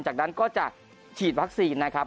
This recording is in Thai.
จากนั้นก็จะฉีดวัคซีนนะครับ